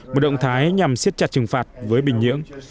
một động thái nhằm siết chặt trừng phạt với bình nhưỡng